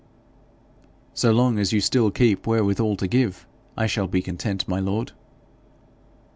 'So long as you still keep wherewithal to give, I shall be content, my lord.'